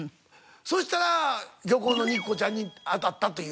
そうしたら『漁港の肉子ちゃん』に当たったという事で。